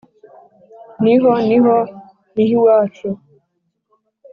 ni ho, ni ho, ni hw i wacu;